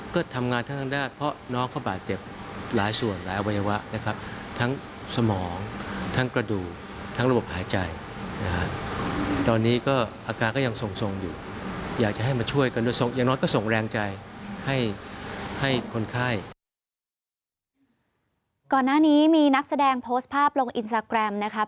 ก่อนหน้านี้มีนักแสดงโพสต์ภาพลงอินสตาแกรมนะครับ